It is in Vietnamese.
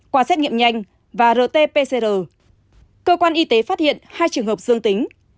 qua xét nghiệm nhanh và rt pcr cơ quan y tế phát hiện hai trường hợp dương tính